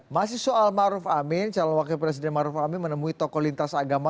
masih soal maruf amin calon wakil presiden maruf amin menemui tokoh lintas agama